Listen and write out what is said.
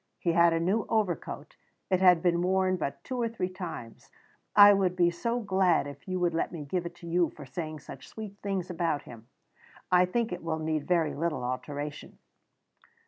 He had a new overcoat; it had been worn but two or three times. I should be so glad if you would let me give it to you for saying such sweet things about him. I think it will need very little alteration."